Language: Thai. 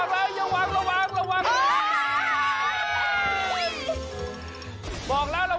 บอกแล้วระวังระวังระวัง